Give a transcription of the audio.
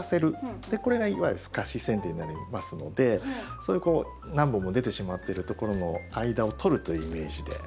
これがいわゆるすかしせん定になりますのでそういう何本も出てしまってるところの間を取るというイメージで。